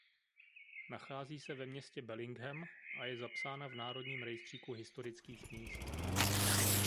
Nachází se ve městě Bellingham a je zapsána v Národním rejstříku historických míst.